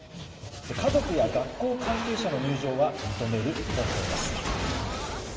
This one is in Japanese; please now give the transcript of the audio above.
家族や学校関係者の入場は認める方向です。